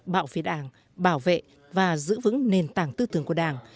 bảo vệ đảng bảo vệ và giữ vững nền tảng tư tưởng của đảng